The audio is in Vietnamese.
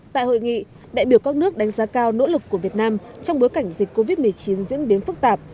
tại hội nghị đại biểu các nước đánh giá cao nỗ lực của việt nam trong bối cảnh dịch covid một mươi chín diễn biến phức tạp